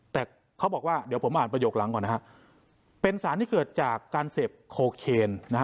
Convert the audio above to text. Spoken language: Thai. แต่เขาบอกว่าเดี๋ยวผมอ่านประโยคหลังก่อนนะฮะเป็นสารที่เกิดจากการเสพโคเคนนะฮะ